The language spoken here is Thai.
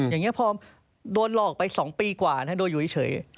อย่างนี้พอโดนหลอกไป๒ปีกว่าโดนอยู่เฉย